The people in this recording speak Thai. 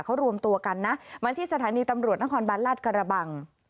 เขารวมตวกันมาที่สถานีตำรวจณคลบรรทรกรบัง